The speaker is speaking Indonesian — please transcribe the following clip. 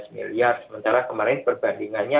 miliar sementara kemarin perbandingannya